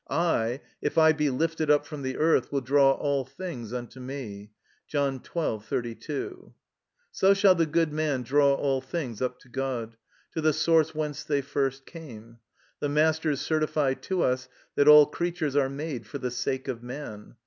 I, if I be lifted up from the earth, will draw all things unto me (John xii. 32). So shall the good man draw all things up to God, to the source whence they first came. The Masters certify to us that all creatures are made for the sake of man.